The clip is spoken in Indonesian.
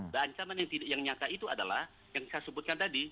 dan ancaman yang nyata itu adalah yang saya sebutkan tadi